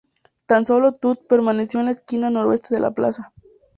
Tan sólo Tutt permaneció en la esquina noroeste de la plaza.